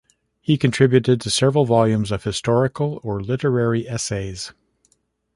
He has contributed to several volumes of historical or literary essays.